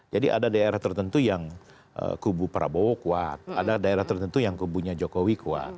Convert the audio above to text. jadi ada daerah tertentu yang kubu prabowo kuat ada daerah tertentu yang kubunya jokowi kuat